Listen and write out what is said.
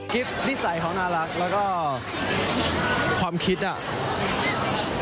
กุ๊บกิ๊บขอสงวนท่าที่ให้เวลาเป็นเครื่องที่สุดไปก่อน